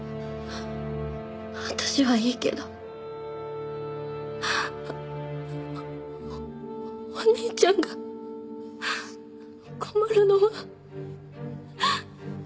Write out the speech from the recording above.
私はいいけどお兄ちゃんが困るのは嫌だ！